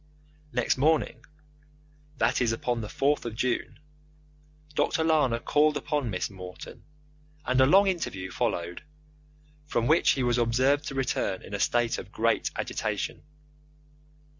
Next morning that is, upon the 4th of June Dr. Lana called upon Miss Morton, and a long interview followed, from which he was observed to return in a state of great agitation.